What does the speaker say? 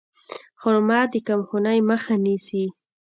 خرما د کمخونۍ مخه نیسي.